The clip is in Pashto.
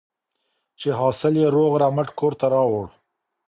چې حاصل یې روغ رمټ کور ته راوړ.